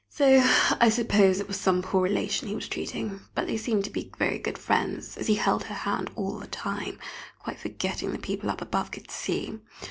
So I suppose it was some poor relation he was treating, but they seemed very good friends, as he held her hand all the time, quite forgetting the people up above could see.